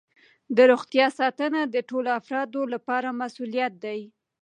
د روغتیا ساتنه د ټولو افرادو لپاره مسؤولیت دی.